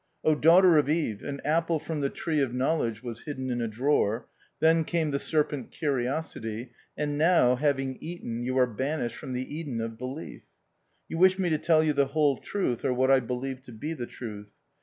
I Daughter of Eve, an apple from the Tree of Knowledge was hidden in a drawer ; then came the serpent Curiosity ; and now, having eaten, you are banished from the Eden of belief. You wish me to tell you the whole truth, or what I believe to be the truth.